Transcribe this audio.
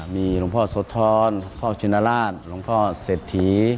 มีหลวงพ่อโสธรพ่อชินราชหลวงพ่อเศรษฐี